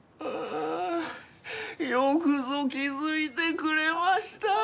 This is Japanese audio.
ああよくぞ気づいてくれました！